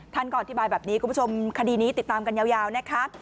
ท่านก็อธิบายแบบนี้คุณผู้ชมคดีนี้ติดตามกันยาวนะคะ